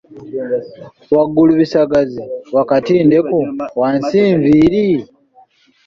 "Waggulu bisagazi, wakati ndeku, wansi nviiri?"